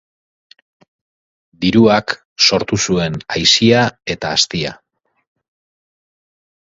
Diruak sortu zuen aisia eta astia.